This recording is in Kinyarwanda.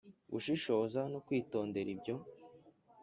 gushishoza no kwitondera ibyo